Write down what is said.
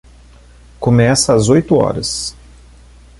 Começa às oito horas.